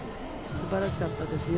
素晴らしかったですね。